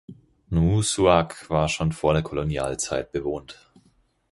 Nuussuaq war schon vor der Kolonialzeit bewohnt.